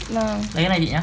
lấy cái này chị nhá